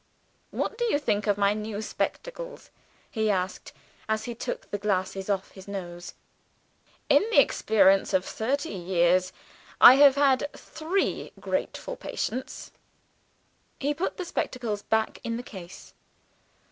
"What do you think of my new spectacles?" he asked, as he took the glasses off his nose. "In the experience of thirty years, I have had three grateful patients." He put the spectacles back in the case.